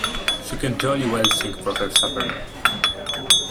She can jolly well sing for her supper!